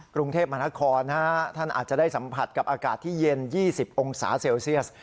กรุงเทพมหานครท่านอาจจะได้สัมผัสกับอากาศที่เย็น๒๐องศาเซลเซียส